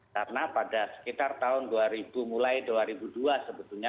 karena pada sekitar tahun dua ribu mulai dua ribu dua sebetulnya